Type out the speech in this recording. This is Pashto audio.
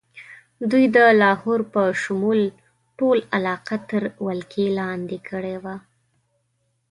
دوی د لاهور په شمول ټوله علاقه تر ولکې لاندې کړې وه.